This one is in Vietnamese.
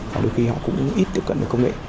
và đôi khi họ cũng ít tiếp cận được công nghệ